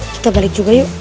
kita balik juga yuk